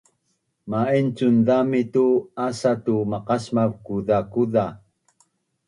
ma’incun zami tu asa tu maqasmav kuzakuza